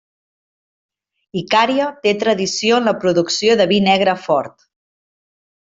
Icària té tradició en la producció de vi negre fort.